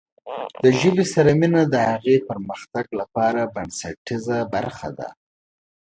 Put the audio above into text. د ژبې سره مینه د هغې پرمختګ لپاره بنسټیزه برخه ده.